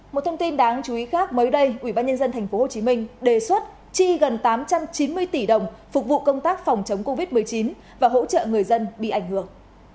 một thông tin đáng chú ý khác mới đây ubnd tp hcm đề xuất chi gần tám trăm chín mươi tỷ đồng phục vụ công tác phòng chống covid một mươi chín và hỗ trợ người dân bị ảnh hưởng